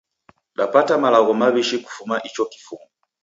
Dapata malagho maw'ishi kufuma icho kifumbu.